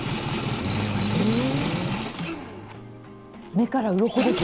目からうろこです。